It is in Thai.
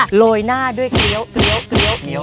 ผันร้ายหน้าด้วยเกลียว